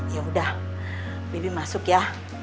yaudah bibi masuk ya